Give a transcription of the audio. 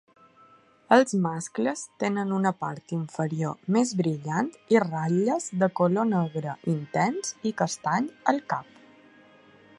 Els mascles tenen una part inferior més brillant i ratlles de color negre intens i castany al cap.